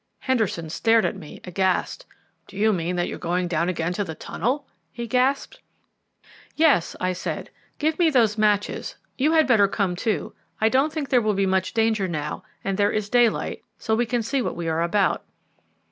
Henderson stared at me aghast. "Do you mean that you are going down again to the tunnel?" he gasped. "Yes," I said; "give me those matches. You had better come too. I don't think there will be much danger now; and there is daylight, so we can see what we are about."